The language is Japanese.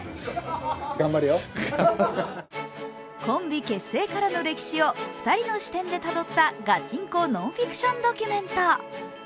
コンビ結成からの歴史を２人の視点でたどったガチンコ・ノンフィクション・ドキュメント。